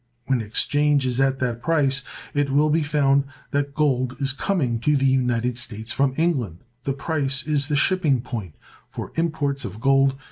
When exchange is at that price, it will be found that gold is coming to the United States from England. This price is the "shipping point" for imports of gold.